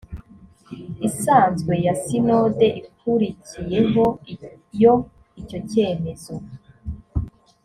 isanzwe ya sinode ikurikiyeho iyo icyo cyemezo